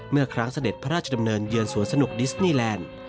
เมื่อครั้งเสด็จพระราชดำเนินเยือนสวนสนุกดิสนีแลนด์